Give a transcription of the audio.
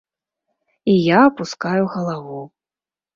І я апускаю галаву.